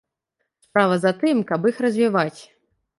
Справа за тым, каб іх развіваць.